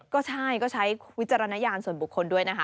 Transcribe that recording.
ก็ใช่ก็ใช้วิจารณญาณส่วนบุคคลด้วยนะคะ